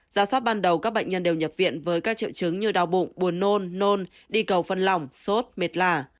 giá soát ban đầu các bệnh nhân đều nhập viện với các triệu chứng như đau bụng buồn nôn nôn đi cầu phân lỏng sốt mệt lạ